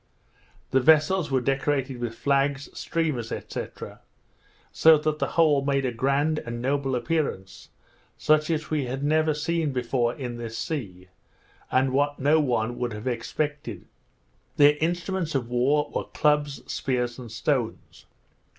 The vessels were decorated with flags, streamers, &c. so that the whole made a grand and noble appearance, such as we had never seen before in this sea, and what no one would have expected. Their instruments of war were clubs, spears, and stones.